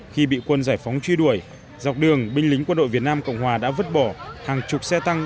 khi bị quân giải phóng truy đuổi dọc đường binh lính quân đội việt nam cộng hòa đã vứt bỏ hàng chục xe tăng